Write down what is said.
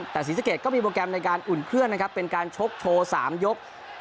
แต่ศรีสะเกดก็มีโปรแกรมในการอุ่นเครื่องนะครับเป็นการชกโชว์๓ยก